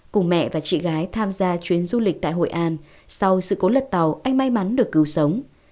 cùng mẹ và chị gái tham gia chuyến du lịch tại hội an sau sự cố lật tàu anh may mắn được cứu sống